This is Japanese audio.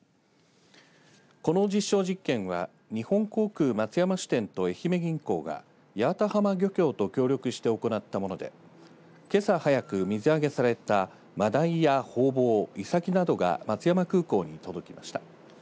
この実証実験は日本航空松山支店と愛媛銀行が八幡浜漁協と協力して行ったものでけさ早く水揚げされたマダイやホウボウ、イサキなどが松山空港に届きました。